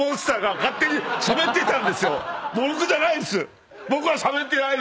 僕じゃないです！